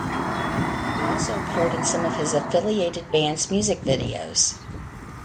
He also appeared in some of his affiliated bands' music videos.